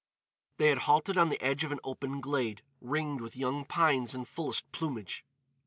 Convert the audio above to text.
They had halted on the edge of an open glade, ringed with young pines in fullest plumage.